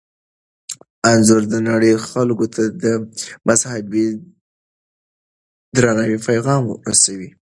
انځور د نړۍ خلکو ته د مذهبي درناوي پیغام رسوي.